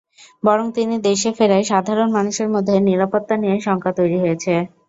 বরং তিনি দেশে ফেরায় সাধারণ মানুষের মধ্যে নিরাপত্তা নিয়ে শঙ্কা তৈরি হয়েছে।